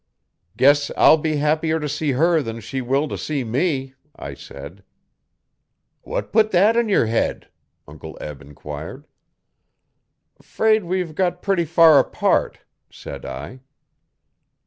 'Guess I'll be happier to see her than she will to see me,' I said. 'What put that in yer head?' Uncle Eb enquired. ''Fraid we've got pretty far apart,' said I.